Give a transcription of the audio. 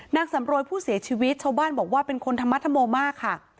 นางสำรวยผู้เสียชีวิตชาวบ้านบอกว่าเป็นคนธรรมธโมมากค่ะ